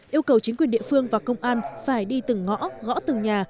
yêu cầu chính quyền địa phương và công an phải đi từng ngõ gõ từng nhà